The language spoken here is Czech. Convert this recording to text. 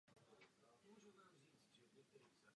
Podél této dálnice je vedeno i koryto toku Nachal Ajalon.